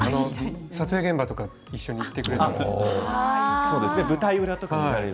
撮影現場とか一緒に行ってくれる。